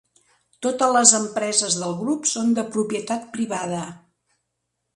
Totes les empreses del grup són de propietat privada.